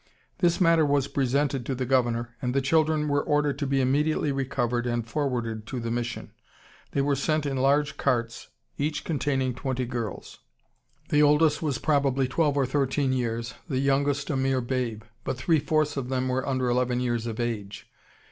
This matter was presented to the governor, and the children were ordered to be immediately recovered and forwarded to the mission. They were sent in large carts, each containing twenty girls. The oldest was probably twelve or thirteen years, the youngest a mere babe; but three fourths of them were under eleven years of age.